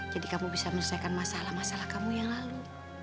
jadi kamu bisa menyelesaikan masalah masalah kamu yang lalu